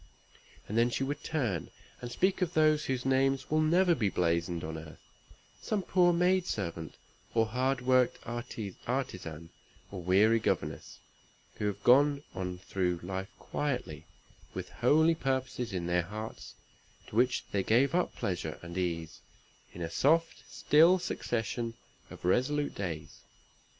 And then she would turn and speak of those whose names will never be blazoned on earth some poor maid servant, or hard worked artisan, or weary governess who have gone on through life quietly, with holy purposes in their hearts, to which they gave up pleasure and ease, in a soft, still, succession of resolute days.